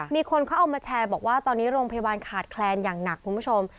มีคนเขาเอามาแชร์บอกว่าตอนนี้โรงพยาบาลขาดแคลนอย่างหนักคุณผู้ชม